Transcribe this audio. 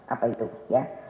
apa itu ya